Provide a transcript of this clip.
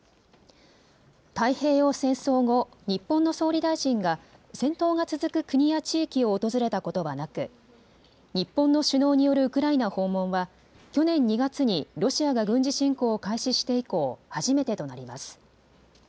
太平洋戦争後、日本の総理大臣が戦闘が続く国や地域を訪れたことはなく、日本の首脳によるウクライナ訪問は去年２月にロシアが軍事侵攻を開始して以降、初めてとなります。